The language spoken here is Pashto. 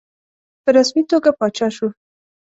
په رسمي توګه پاچا شو.